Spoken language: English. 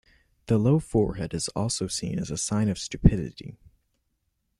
The low forehead is also seen as a sign of stupidity.